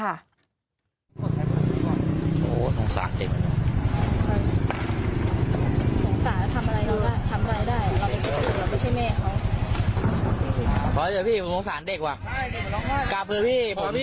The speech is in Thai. เขาบอกว่าลูกเขาเขาเลี้ยงเองได้จะไม่ยุ่งอะไรกับลูกเขาล่ะ